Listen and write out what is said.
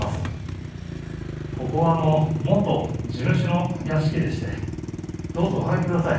ここは元地主の屋敷でしてどうぞお入りください。